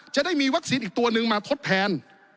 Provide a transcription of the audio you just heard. จะได้มีวัคซีนอีกตัวหนึ่งมาทดแทน